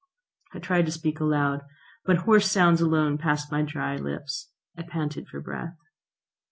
I tried to speak aloud, but hoarse sounds alone passed my dry lips. I panted for breath.